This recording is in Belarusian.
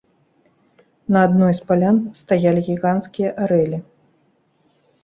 На адной з палян стаялі гіганцкія арэлі.